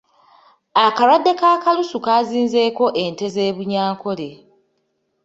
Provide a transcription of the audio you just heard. Akalwadde ka kalusu kaazinzeeko ente z’e Buyankole.